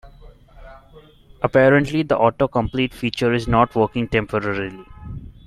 Apparently, the autocomplete feature is not working temporarily.